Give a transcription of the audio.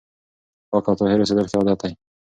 پاک او طاهر اوسېدل ښه عادت دی.